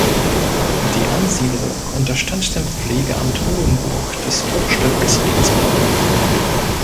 Die Ansiedelung unterstand dem Pflegamt Hohenburg des Hochstiftes Regensburg.